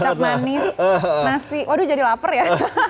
cocok manis nasi waduh jadi lapar ya